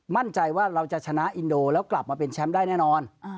มั่นใจว่าเราจะชนะอินโดแล้วกลับมาเป็นแชมป์ได้แน่นอน